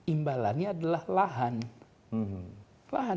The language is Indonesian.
imbalannya adalah lahan